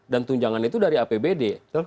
dan tunjangan itu dari apbd